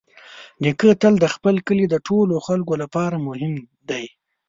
نیکه تل د خپل کلي د ټولو خلکو لپاره مهم دی.